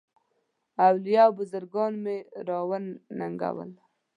اولیاء او بزرګان مي را وننګول.